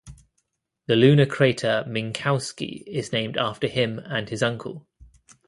The lunar crater "Minkowski" is named after him and his uncle.